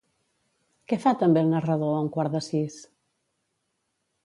Què fa també el narrador a un quart de sis?